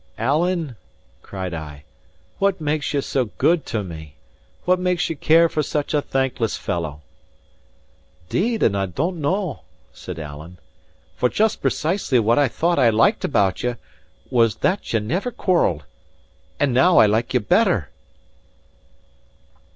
"Alan," cried I, "what makes ye so good to me? What makes ye care for such a thankless fellow?" "'Deed, and I don't know" said Alan. "For just precisely what I thought I liked about ye, was that ye never quarrelled: and now I like ye better!"